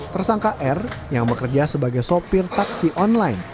tersangka r yang bekerja sebagai sopir taksi online